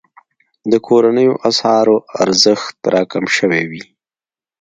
د کورنیو اسعارو ارزښت راکم شوی وي.